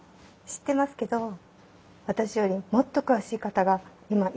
知ってますけど私よりもっと詳しい方が今いらしてます。